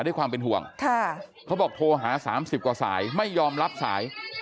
ด้วยความเป็นห่วงเขาบอกโทรหา๓๐กว่าสายไม่ยอมรับสาย